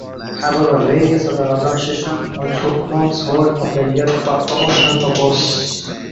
However, various other organizations also announce Words of the Year for promotional purposes.